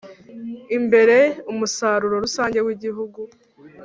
imbere umusaruro rusange w’igihugu